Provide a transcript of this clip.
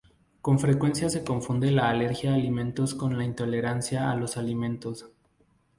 Con frecuencia se confunde la alergia a alimentos con la intolerancia a los alimentos.